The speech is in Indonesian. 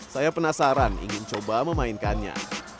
saya penasaran ingin coba memainkannya